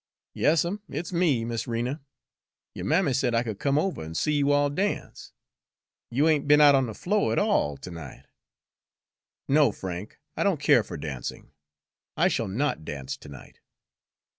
"Yas 'm, it's me, Miss Rena. Yo' mammy said I could come over an' see you all dance. You ain' be'n out on de flo' at all, ter night." "No, Frank, I don't care for dancing. I shall not dance to night."